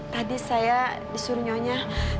tadi saya disuruh nyonya